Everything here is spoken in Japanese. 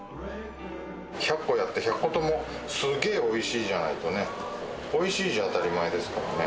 １００個やって１００個とも、すげーおいしいじゃないとね、おいしいじゃ当たり前ですからね。